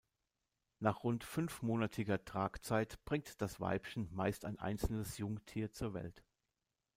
Nach rund fünfmonatiger Tragzeit bringt das Weibchen meist ein einzelnes Jungtier zur Welt.